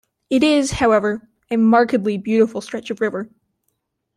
It is, however, a markedly beautiful stretch of river.